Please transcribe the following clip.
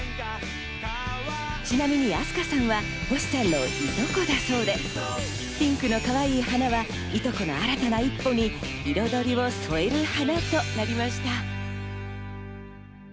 ちなみに明日香さんは星さんのいとこだそうで、ピンクのかわいい花は、いとこの新たな一歩に彩りを添える花となりました。